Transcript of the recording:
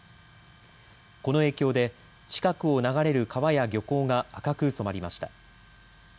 この影響で近くを流れる川や漁港が赤く染まりました。